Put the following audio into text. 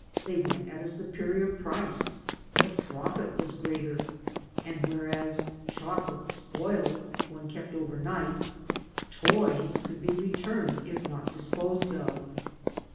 They went at a superior price; the profit was greater; and, whereas chocolates spoiled when kept overnight, toys could be returned if not disposed of.